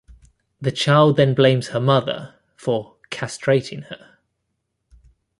The child then blames her mother for "castrating" her.